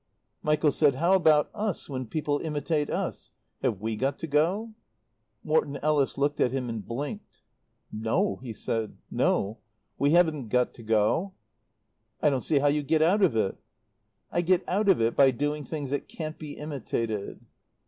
Michael said, "How about us when people imitate us? Have we got to go?" Morton Ellis looked at him and blinked. "No," he said. "No. We haven't got to go." "I don't see how you get out of it." "I get out of it by doing things that can't be imitated."